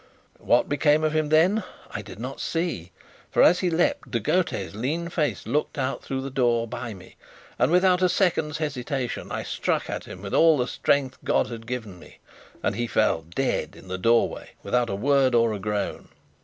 What became of him then? I did not see: for as he leapt, De Gautet's lean face looked out through the door by me, and, without a second's hesitation, I struck at him with all the strength God had given me, and he fell dead in the doorway without a word or a groan.